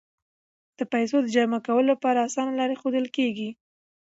د پیسو د جمع کولو لپاره اسانه لارې ښودل کیږي.